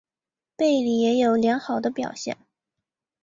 贝里也有良好的表现。